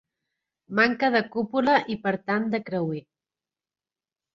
Manca de cúpula i per tant de creuer.